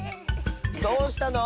どうしたの？